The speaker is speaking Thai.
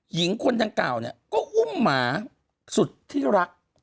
หญิงคนดังกล่าวเนี่ยก็อุ้มหมาสุดที่รัก